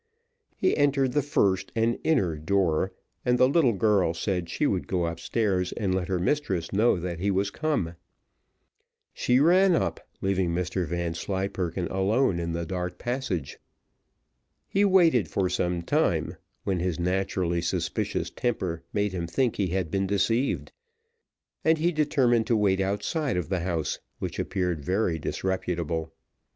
He entered the first and inner door, and the little girl said she would go upstairs and let her mistress know that he was come. She ran up, leaving Mr Vanslyperken alone in the dark passage. He waited for some time, when his naturally suspicious temper made him think he had been deceived, and he determined to wait outside of the house, which appeared very disreputable.